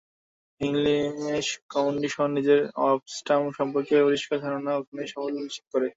English কন্ডিশনে নিজের অফস্টাম্প সম্পর্কে পরিষ্কার ধারণাই ওখানে সাফল্য নিশ্চিত করে।